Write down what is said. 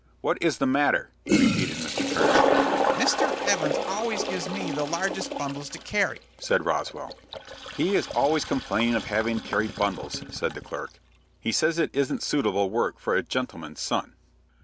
"What is the matter?" repeated Mr. Turner. "Mr. Evans always gives me the largest bundles to carry," said Roswell. "He is always complaining of having to carry bundles," said the clerk. "He says it isn't suitable work for a gentleman's son."